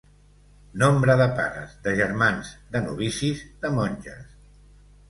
Nombre de pares, de germans, de novicis, de monges.